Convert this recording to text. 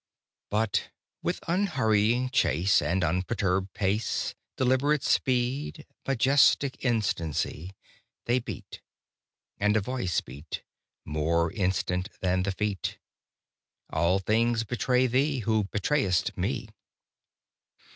But with unhurrying chase, And unperturbèd pace, Deliberate speed, majestic instancy, They beat and a Voice beat More instant than the Feet "All things betray thee, who betrayest Me."